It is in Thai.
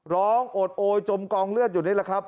โอดโอยจมกองเลือดอยู่นี่แหละครับ